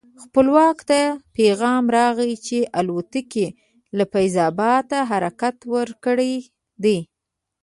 خپلواک ته پیغام راغی چې الوتکې له فیض اباد حرکت ورکړی دی.